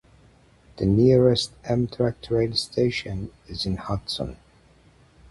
The nearest Amtrak train station is in Hudson.